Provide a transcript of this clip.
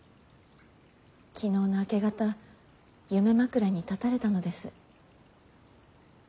昨日の明け方夢枕に立たれたのです。